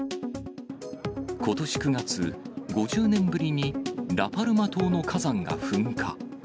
ことし９月、５０年ぶりにラパルマ島の火山が噴火。